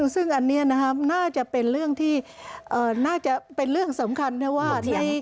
ซึ่งอันนี้นะครับน่าจะเป็นเรื่องที่น่าจะเป็นเรื่องสำคัญนะว่า